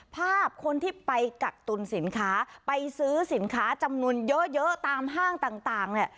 ภาพคนที่ไปกักตุลสินค้าไปซื้อสินค้าจำนวนเยอะตามห้างต่างเนี่ย